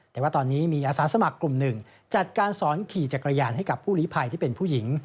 แต่ว่าตอนนี้มีอาสาสมัครกลุ่มหนึ่งจัดการสอนขี่จักรยานให้กับผู้หลีภัยที่เป็นผู้หญิง